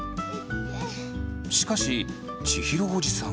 しかし千尋おじさんは。